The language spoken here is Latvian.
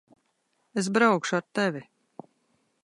Es braukšu ar tevi.